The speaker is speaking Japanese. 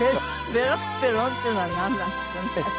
ペロペロっていうのはなんなんですかね？